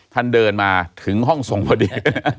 ท่านเดินมาถึงห้องส่งพอดี